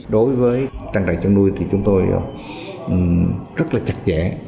đối với trang trại chăn nuôi thì chúng tôi rất là chặt chẽ